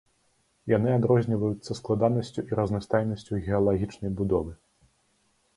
Яны адрозніваюцца складанасцю і разнастайнасцю геалагічнай будовы.